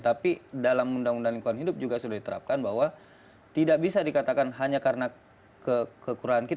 tapi dalam undang undang lingkungan hidup juga sudah diterapkan bahwa tidak bisa dikatakan hanya karena kekurangan kita